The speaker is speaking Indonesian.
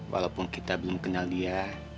walaupun kita belum kenal dia